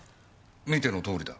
見てのとおりだ。